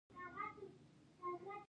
ډیناسورونه کله اوسیدل؟